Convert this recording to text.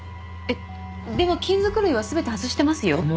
えっでも金属類は全て外してますよ？